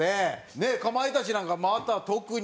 ねえかまいたちなんかまた特に。